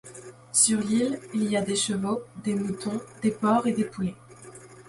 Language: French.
Sur l'île, il y a des chevaux, des moutons, des porcs et des poulets.